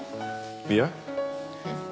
いや。